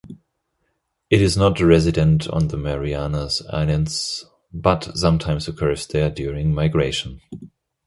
It is not resident on the Marianas islands, but sometimes occurs there during migration.